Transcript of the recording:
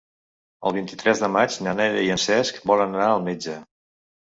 El vint-i-tres de maig na Neida i en Cesc volen anar al metge.